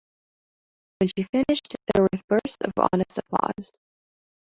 When she finished there were bursts of honest applause.